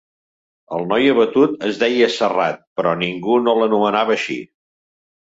El noi abatut es deia Serrat però ningú no l'anomenava així.